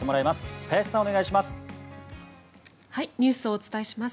林さん、お願いします。